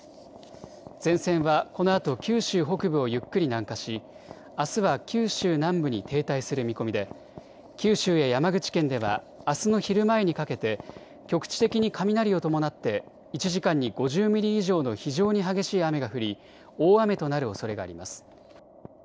前線はこのあと九州北部をゆっくり南下しあすは九州南部に停滞する見込みで九州や山口県ではあすの昼前にかけて局地的に雷を伴って１時間に５０ミリ以上の非常に激しい雨が降り大雨となるおそれがあります。